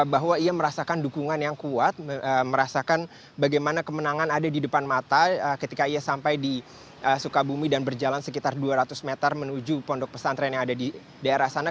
bahwa ia merasakan dukungan yang kuat merasakan bagaimana kemenangan ada di depan mata ketika ia sampai di sukabumi dan berjalan sekitar dua ratus meter menuju pondok pesantren yang ada di daerah sana